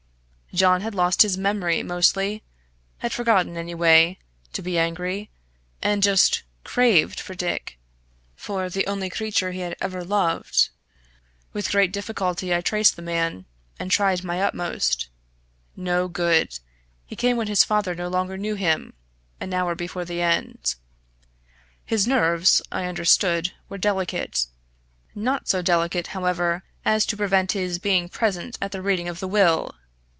John had lost his memory mostly had forgotten, anyway, to be angry and just craved for Dick, for the only creature he had ever loved. With great difficulty I traced the man, and tried my utmost. No good! He came when his father no longer knew him, an hour before the end. His nerves, I understood, were delicate not so delicate, however, as to prevent his being present at the reading of the will!